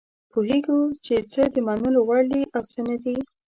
پوهیږو چې څه د منلو وړ دي او څه نه دي.